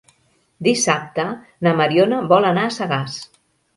Dissabte na Mariona vol anar a Sagàs.